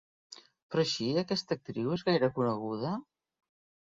Però així aquesta actriu és gaire coneguda?